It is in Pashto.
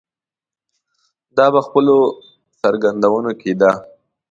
دا په خپلو څرګندونو کې ده.